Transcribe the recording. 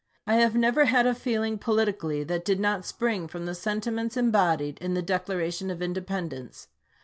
I have never had a feeling, politically, that did not spring from the senti ments embodied in the Declaration of Independence.